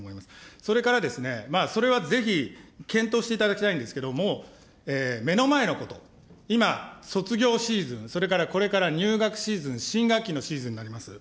それからですね、それはぜひ、検討していただきたいんですけれども、目の前のこと、今、卒業シーズン、それからこれから入学シーズン、新学期のシーズンになります。